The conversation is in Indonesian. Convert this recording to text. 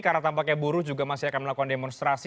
karena tampaknya buruh juga masih akan melakukan demonstrasi